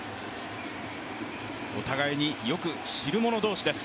お互いによく知るもの同士です